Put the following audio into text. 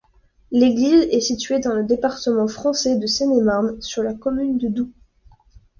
L'église est située dans le département français de Seine-et-Marne, sur la commune de Doue.